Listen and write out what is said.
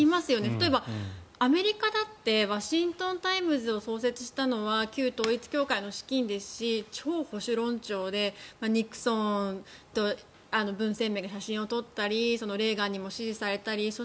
例えば、アメリカだってワシントンタイムズを創設したのは旧統一教会の資金ですし超保守論調でニクソンとブン・センメイが写真を撮ったりレーガンにも支持されたり。